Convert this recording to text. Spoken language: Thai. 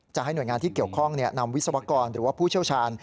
ให้หน่วยงานที่เกี่ยวข้องนำวิศวกรหรือว่าผู้เชี่ยวชาญ